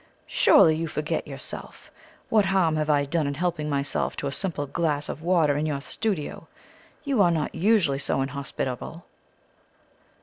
Surely you forget yourself. What harm have I done in helping myself to a simple glass of water in your studio? You are not usually so inhospitable."